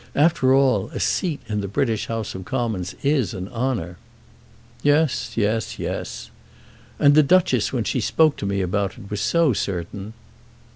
After all, a seat in the British House of Commons is an honour." "Yes; yes; yes." "And the Duchess, when she spoke to me about it, was so certain."